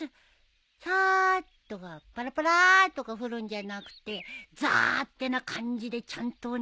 サーッとかパラパラとか降るんじゃなくてザーッてな感じでちゃんとお願いします。